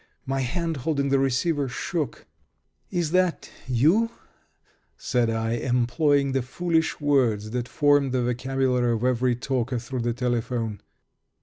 My hand holding the receiver shook. "Is that you?" said I, employing the foolish words that form the vocabulary of every talker through the telephone.